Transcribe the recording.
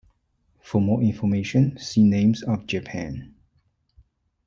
For more information see Names of Japan.